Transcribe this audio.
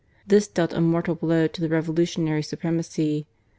This dealt a mortal blow to the revolutionary supremacy.